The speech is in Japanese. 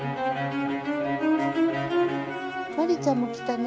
マリーちゃんも来たね。